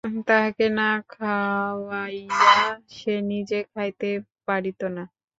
তাহাকে না খাওয়াইয়া সে নিজে খাইতে পারিত না।